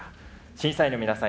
審査員の皆さん